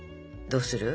どうする？